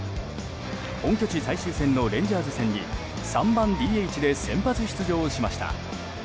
本拠地最終戦のレンジャーズ戦に３番ＤＨで先発出場しました。